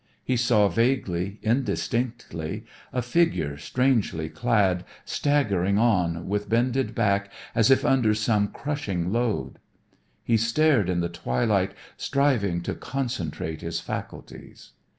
He saw vaguely, indistinctly, a figure strangely clad, staggering on with bended back as if under some crushing load. He stared in the twilight striving to concentrate his faculties.